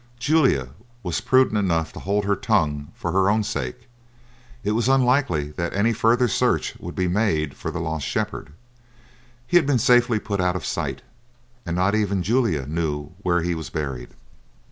Julia was prudent enough to hold her tongue for her own sake; it was unlikely that any further search would be made for the lost shepherd; he had been safely put out of sight, and not even Julia knew where he was buried.